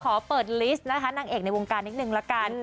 ขอเปิดลิสต์นะคะนางเอกในวงการนิดนึงละกัน